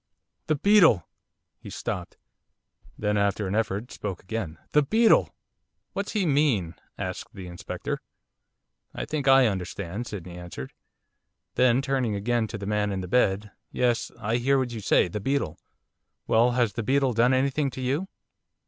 'The beetle!' He stopped. Then, after an effort, spoke again. 'The beetle!' 'What's he mean?' asked the Inspector. 'I think I understand,' Sydney answered; then turning again to the man in the bed. 'Yes, I hear what you say, the beetle. Well, has the beetle done anything to you?